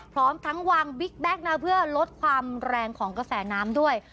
พร้อมทั้งวางบิ๊กแก๊กนะเพื่อลดความแรงของกระแสน้ำด้วย